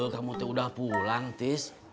kamu tuh udah pulang tis